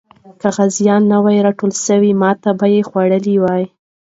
که غازیان نه وای راټول سوي، ماتې به یې خوړلې وه.